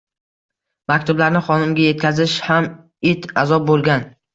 Maktublarni xonimga yetkazish ham it azob bo’lgan.